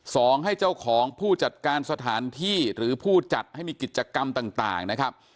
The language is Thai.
สองให้เจ้าของผู้จัดการสถานที่หรือผู้จัดให้มีกิจกรรมต่างนะครับ